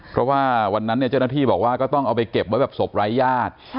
เพราะว่าวันนั้นเนี่ยเจ้าหน้าที่บอกว่าก็ต้องเอาไปเก็บไว้แบบศพไร้ญาติ